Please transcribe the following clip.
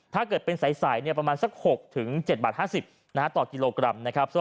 ถ้าเกิดเป็นใสประมาณ๐๖๗๕๐บาทต่อกิโลกรัม